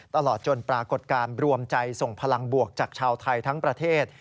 ตลอดจนปรากฏการณ์รวมใจส่งพลังบวกจากชาวไทยทั้งประเทศ